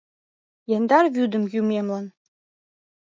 Яндар вӱдым йӱмемлан.